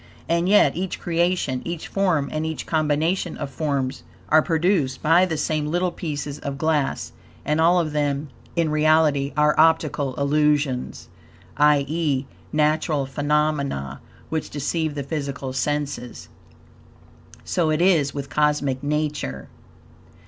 And yet each creation, each form, and each combination of forms, are produced by the same little pieces of glass; and all of them, in reality, are optical illusions; i.e., natural phenomena, which deceive the physical senses. So it is with Cosmic Nature.